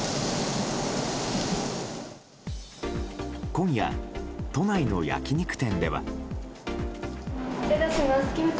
今夜、都内の焼き肉店では。